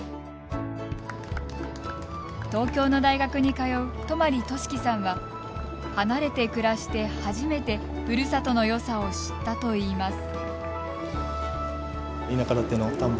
東京の大学に通う泊俊輝さんは離れて暮らして初めてふるさとのよさを知ったといいます。